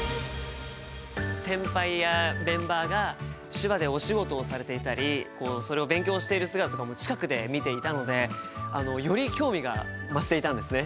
先輩やメンバーが手話でお仕事をされていたりそれを勉強している姿とかも近くで見ていたのでより興味が増していたんですね。